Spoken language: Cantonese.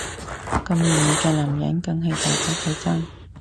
咁完美嘅男人梗係大把仔爭